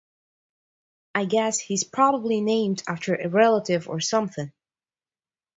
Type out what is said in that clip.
I guess he’s probably named after a relative or something.